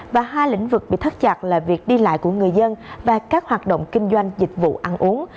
và hai lĩnh vực bị thất chặt là việc đi lại của người dân và các hoạt động kinh doanh dịch vụ ăn uống